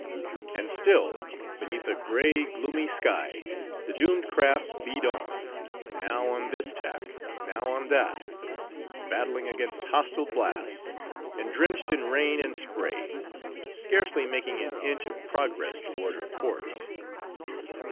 And still, beneath a gray, gloomy sky, the doomed craft beat on; now on this tack, now on that; battling against hostile blasts, and drenched in rain and spray; scarcely making an inch of progress toward her port.